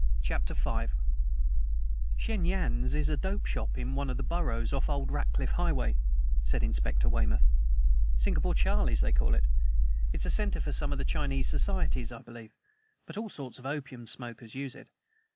CHAPTER V "Shen Yan's is a dope shop in one of the burrows off the old Ratcliff Highway," said Inspector Weymouth. "'Singapore Charlie's,' they call it. It's a center for some of the Chinese societies, I believe, but all sorts of opium smokers use it.